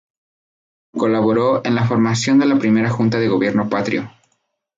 Colaboró en la formación de la Primera Junta de gobierno patrio.